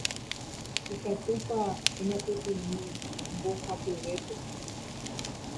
Ikatúpa eñapytĩmi mbohapyvépe.